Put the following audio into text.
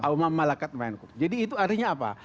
ummah malakat main jadi itu artinya apa